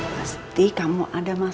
katanya kamu gak dateng